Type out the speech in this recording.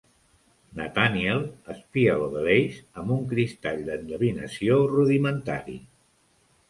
Nathaniel espia Lovelace amb un cristall d'endevinació rudimentari.